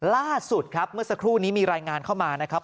ล่าสุดครับเมื่อสักครู่นี้มีรายงานเข้ามานะครับ